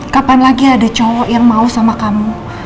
kapan lagi ada cowok yang mau sama kamu